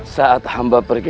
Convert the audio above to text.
saat hamba pergi